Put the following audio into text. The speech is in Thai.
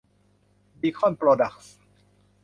ดีคอนโปรดักส์